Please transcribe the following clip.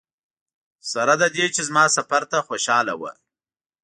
سره له دې چې زما سفر ته خوشاله وه.